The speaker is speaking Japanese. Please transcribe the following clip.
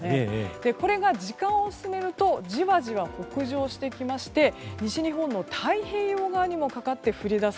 これが時間を進めるとじわじわ北上してきまして西日本の太平洋側にもかかって降り出す